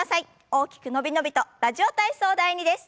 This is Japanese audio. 大きく伸び伸びと「ラジオ体操第２」です。